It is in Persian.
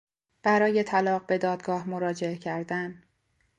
برای طلاق به دادگاه مراجعه کردن